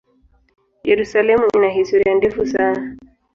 Yerusalemu ina historia ndefu sana.